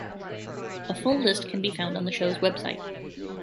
A full list can be found on the show's website.